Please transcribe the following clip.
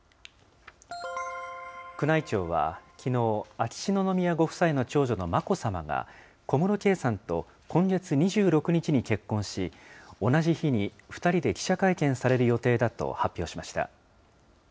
宮内庁はきのう、秋篠宮ご夫妻の長女の眞子さまが、小室圭さんと今月２６日に結婚し、同じ日に２人で記者会見される予定だと発表しました。